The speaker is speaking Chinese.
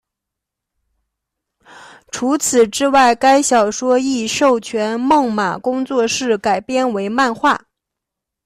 除此之外该小说亦授权梦马工作室改编为漫画。